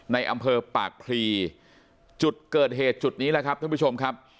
ในอำเภอปากพลีจุดเกิดเหตุจุดนี้แหละครับท่านผู้ชมครับ